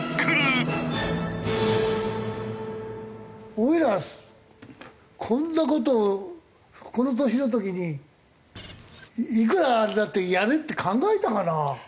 おいらこんな事をこの年の時にいくらあれだってやるって考えたかな？